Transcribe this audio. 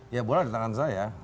ya bola di tangan saya